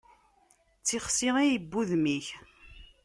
D tixsi ay n udem-ik.